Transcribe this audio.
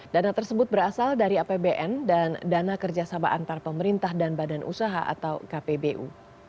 dana tersebut berasal dari apbn dan dana kerjasama antar pemerintah dan badan usaha atau kpbu